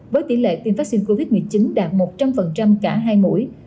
với tỷ lệ tiêm vaccine covid một mươi chín đạt một trăm linh cả hai mũi